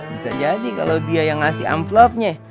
bisa jadi kalo dia yang ngasih amplofnya